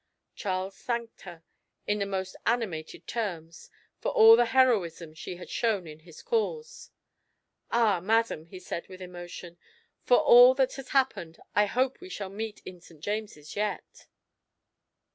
Charles thanked her, in the most animated terms, for all the heroism she had shown in his cause. "Ah! madam," he said, with emotion, "for all that has happened, I hope we shall meet in St. James's yet."